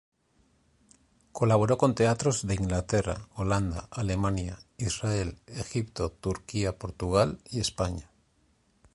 Colaboró con teatros de Inglaterra, Holanda, Alemania, Israel, Egipto Turquía, Portugal y España.